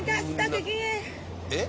えっ？